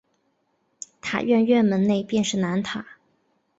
塔院院门内便是南塔。